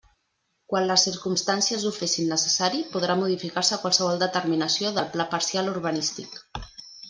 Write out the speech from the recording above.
Quan les circumstàncies ho fessin necessari podrà modificar-se qualsevol determinació del Pla Parcial Urbanístic.